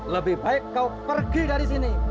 lebih baik kau pergi dari sini